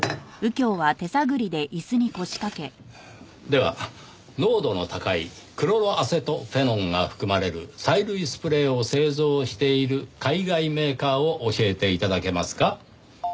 では濃度の高いクロロアセトフェノンが含まれる催涙スプレーを製造している海外メーカーを教えて頂けますか？